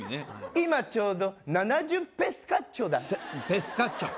今ちょうど７０ペスカッチョだペスカッチョ？